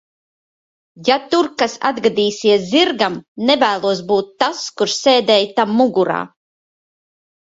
Ja tur kas atgadīsies zirgam, nevēlos būt tas, kurš sēdēja tam mugurā.